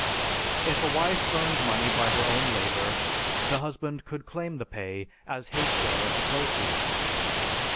If a wife earned money by her own labor, the husband could claim the pay as his share of the proceeds."